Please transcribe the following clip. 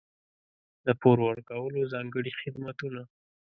د پور ورکولو ځانګړي خدمتونه.